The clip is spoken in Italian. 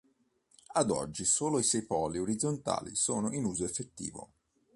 Ad oggi solo i sei poli orizzontali sono in uso effettivo.